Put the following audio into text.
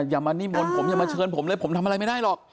อย่ามานิมนต์ผมอย่ามาเชิญผมเลยผมทำอะไรไม่ได้หรอก